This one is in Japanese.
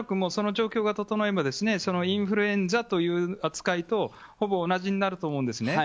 その状況が整えばインフルエンザの扱いとほぼ同じになると思うんです。